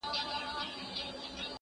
زه هره ورځ انځور ګورم!؟